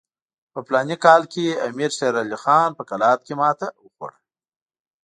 په فلاني کال کې امیر شېر علي خان په قلات کې ماته وخوړه.